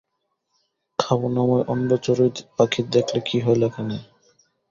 খাবনাময় অন্ধ চড়ুই পাখি দেখলে কী হয় লেখা নেই।